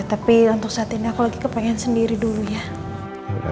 tapi untuk saat ini aku lagi kepengen sendiri dulu ya